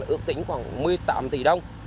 ước tính khoảng một mươi tám tỷ đồng